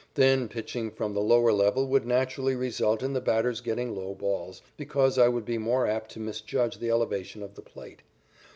Then pitching from the lower level would naturally result in the batters getting low balls, because I would be more apt to misjudge the elevation of the plate.